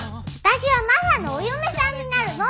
私はマサのお嫁さんになるの！